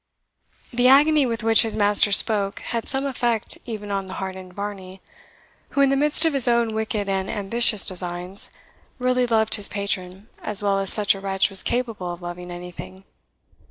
The agony with which his master spoke had some effect even on the hardened Varney, who, in the midst of his own wicked and ambitious designs, really loved his patron as well as such a wretch was capable of loving anything.